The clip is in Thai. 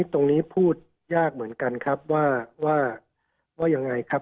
พูดยากเหมือนกันครับว่ายังไงครับ